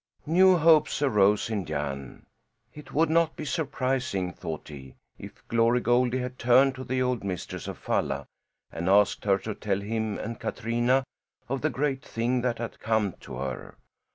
New hopes arose in Jan. It would not be surprising, thought he, if Glory Goldie had turned to the old mistress of Falla and asked her to tell him and Katrina of the great thing that had come to her.